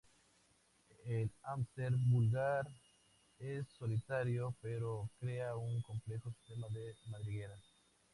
El hámster vulgar es solitario, pero crea un complejo sistema de madrigueras.